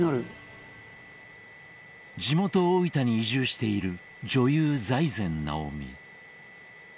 地元・大分に移住している女優・財前直見。